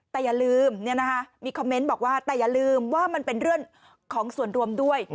แต่อย่าลืมมีคอมเมนต์บอกว่าแต่อย่าลืมว่ามันเป็นเรื่องของส่วนรวมด้วย